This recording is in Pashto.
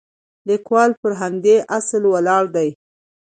لیکوال پر همدې اصل ولاړ دی.